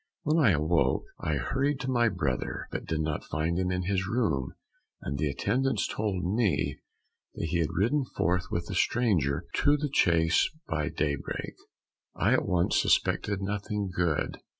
When I awoke, I hurried to my brother, but did not find him in his room, and the attendants told me that he had ridden forth with the stranger to the chase by daybreak. "I at once suspected nothing good.